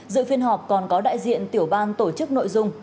dự phiên họp còn có đại diện tiểu ban tổ chức nội dung